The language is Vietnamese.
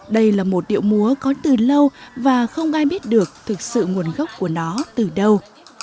đây là một điệu múa có từ lâu và không ai biết được thực sự nguồn gốc của nó từ đâu